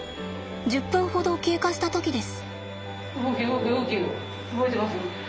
１０分ほど経過した時です。